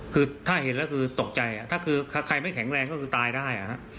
คือถ้าเห็นแล้วคือตกใจถ้าคือใครไม่แข็งแรงก็คือตายได้